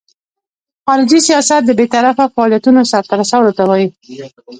خارجي سیاست د بیطرفه فعالیتونو سرته رسولو ته وایي.